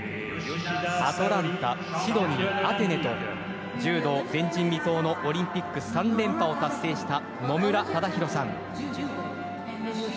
アトランタ、シドニー、アテネと柔道、前人未到のオリンピック３連覇を達成した野村忠宏さん。